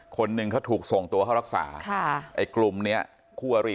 คนนึงเขาถูกทรงตัวเขารักษาไอ้กลุ่มเนี่ยคู่อรี